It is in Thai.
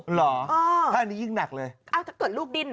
เหรอถ้าอันนี้ยิ่งหนักเลยเอ้าถ้าเกิดลูกดิ้นเห